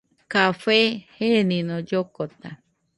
Café jenino llokota